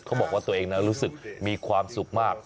เขาบอกว่าตัวเองนั้นรู้สึกมีความสุขมาก